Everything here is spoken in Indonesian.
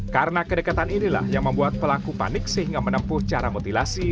karena kedekatan inilah yang membuat pelaku panik sehingga menempuh cara mutilasi